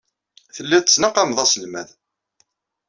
Telliḍ tettnaqameḍ aselmad.